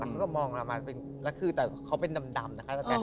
เขาก็มองเรามาเป็นแล้วคือแต่เขาเป็นดำนะคะตะแนน